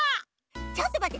ちょっとまって！